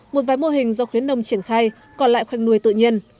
một vài mô hình do khuyến nông triển khai còn lại khoanh nuôi tự nhiên